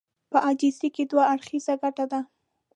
په عاجزي کې دوه اړخيزه ګټه ده.